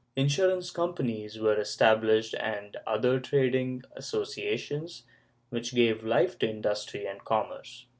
Insurance companies were established and other trading associations, which gave life to industry and commerce.